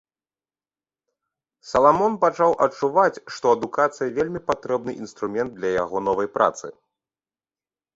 Саламон пачаў адчуваць, што адукацыя вельмі патрэбны інструмент для яго новай працы.